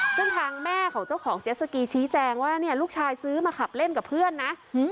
ซึ่งทางแม่ของเจ้าของเจสสกีชี้แจงว่าเนี่ยลูกชายซื้อมาขับเล่นกับเพื่อนนะ